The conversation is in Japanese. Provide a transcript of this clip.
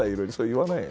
言わないの？